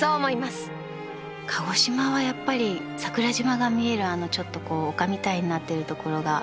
鹿児島はやっぱり桜島が見えるあのちょっとこう丘みたいになってるところが。